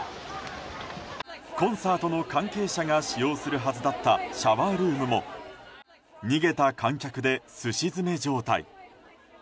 コンサートの関係者が使用するはずだったシャワールームも逃げた観客ですし詰め状態。